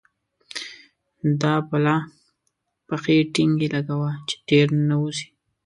دا پلا پښې ټينګې لګوه چې تېر نه وزې.